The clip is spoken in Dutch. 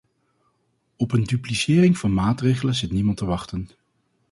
Op een duplicering van maatregelen zit niemand te wachten.